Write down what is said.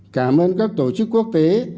cảm ơn các tổ chức quốc tế